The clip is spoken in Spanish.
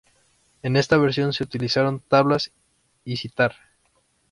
En esta versión se utilizaron tablas y sitar.